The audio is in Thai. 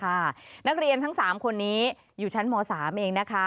นักเรียนทั้ง๓คนนี้อยู่ชั้นม๓เองนะคะ